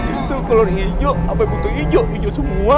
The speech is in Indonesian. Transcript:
itu kalau hijau apa putih hijau hijau semua